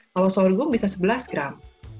kalau sorghum bisa sebelas gram